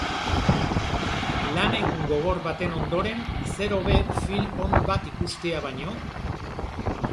Lan egun gogor baten ondoren zer hobe film on bat ikustea baino?